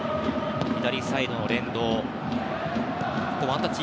左サイドの連動。